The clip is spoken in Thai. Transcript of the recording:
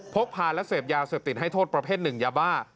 พกพาและเสพยาเสพติดให้โทษประเภทหนึ่งยาบ้า